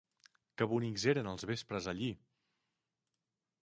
Que bonics eren els vespres allí!